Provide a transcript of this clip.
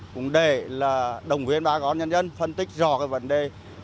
cũng để là động viên bà con nhân dân phân tích rõ cái vấn đề